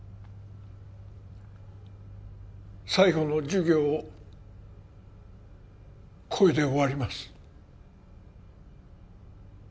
最後の授業をこれで終わります